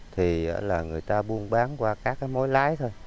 thì là người ta buôn bán qua các cái mối lái thôi